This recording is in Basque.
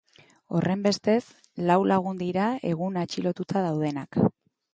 Horrenbestez, lau lagun dira egun atxilotuta daudenak.